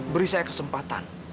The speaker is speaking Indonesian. beri saya kesempatan